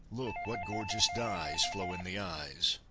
Look, what gorgeous dyes Flow in the eyes!